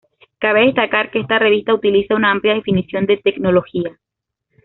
Cabe destacar que esta revista utiliza una amplia definición de tecnología.